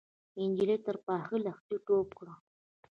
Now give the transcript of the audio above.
نجلۍ تر پاخه لښتي ټوپ کړ.